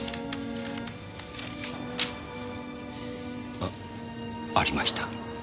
あありました。